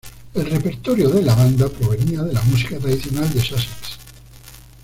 El repertorio de la banda provenía de la música tradicional de Sussex.